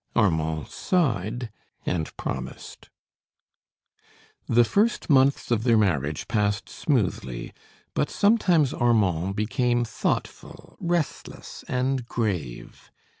Armand sighed, and promised. The first months of their marriage passed smoothly, but sometimes Armand became thoughtful, restless, and grave.